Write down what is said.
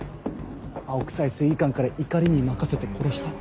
青臭い正義感から怒りに任せて殺した。